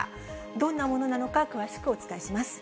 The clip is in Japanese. どんなものなのか、詳しくお伝えします。